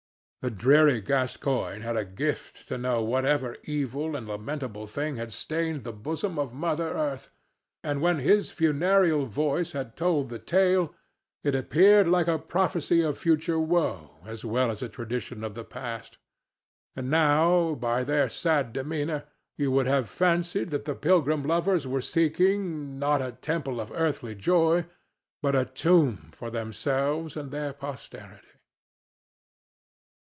The dreary Gascoigne had a gift to know whatever evil and lamentable thing had stained the bosom of Mother Earth; and when his funereal voice had told the tale, it appeared like a prophecy of future woe as well as a tradition of the past. And now, by their sad demeanor, you would have fancied that the pilgrim lovers were seeking, not a temple of earthly joy, but a tomb for themselves and their posterity.